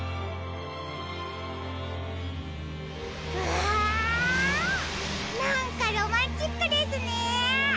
わなんかロマンチックですね。